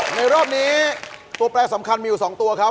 รอบนี้ตัวแปรสำคัญมีอยู่๒ตัวครับ